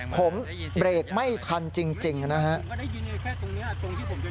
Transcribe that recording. ผมเบรกไม่ทันจริงนะฮะ